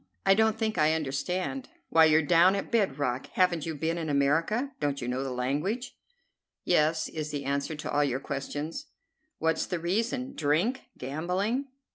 "I don't think I understand." "Why, you're down at bed rock. Haven't you been in America? Don't you know the language?" "'Yes' is the answer to all your questions." "What's the reason? Drink? Gambling?"